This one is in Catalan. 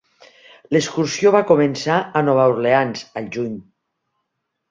L'excursió ca començar a Nova Orleans al juny.